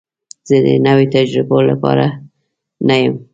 زه د نوي تجربو لپاره نه یم.